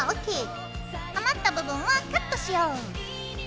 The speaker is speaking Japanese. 余った部分はカットしよう。